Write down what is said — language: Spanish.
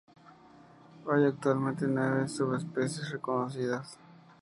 Hay actualmente nueve subespecies reconocidas.